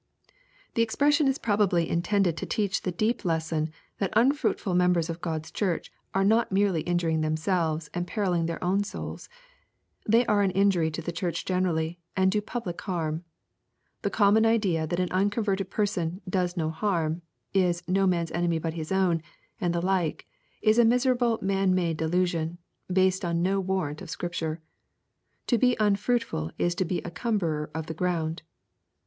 The expression is probably intended to teach the deep lesson, that unfruitful members of Q od's church are not merely injuring themselves and perilling their own souls. They are an injury to the church generally, and do public harm. The common idea that an unconverted person " does no harm," — is " no man's enemy but his own," — and the like, is & miserable man made delusion, based on no warrant of Scripture. To be unfruitful is to be a cumberer of the ground.